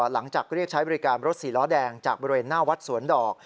หลังจากเรียกใช้บริการรถสีล้อแดงจากบริเวณหน้าวัดสวนดอก